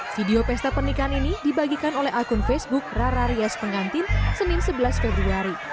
video pesta pernikahan ini dibagikan oleh akun facebook rararias pengantin senin sebelas februari